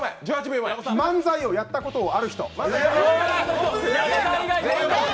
漫才をやったことある人。